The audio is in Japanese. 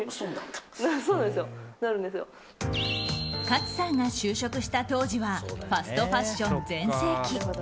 勝さんが就職した当時はファストファッション全盛期。